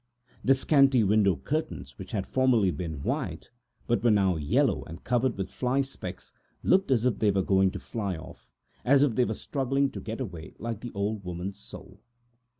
The scanty window curtains, which had formerly been white, but were now yellow and covered with fly specks, looked as it they were going to fly off, and seemed to struggle to get away, like the old woman's soul.